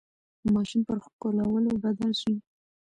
ماشوم پر ښکلولو بدل شي.